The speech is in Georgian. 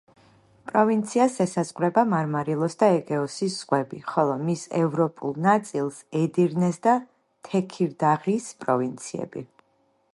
პროვინციას ესაზღვრება მარმარილოს და ეგეოსის ზღვები, ხოლო მის ევროპულ ნაწილს ედირნეს და თექირდაღის პროვინციები.